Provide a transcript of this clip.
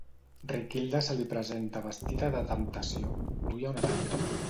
Riquilda se li presenta vestida de temptació. Duia un tanga.